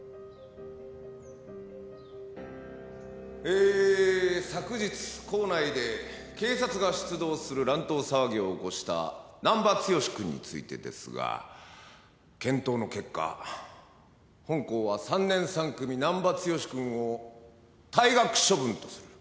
え昨日校内で警察が出動する乱闘騒ぎを起こした難破剛君についてですが検討の結果本校は３年３組難破剛君を退学処分とする。